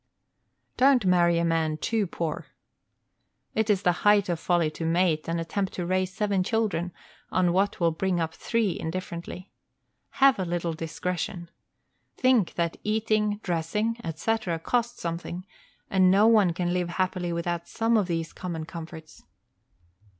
Don't marry a man too poor. It is the height of folly to mate, and attempt to raise seven children on what will bring up three indifferently. Have a little discretion. Think that eating, dressing, etc., cost something, and no one can live happily without some of these common comforts.